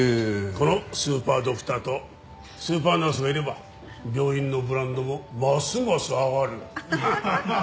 このスーパードクターとスーパーナースがいれば病院のブランドもますます上がる！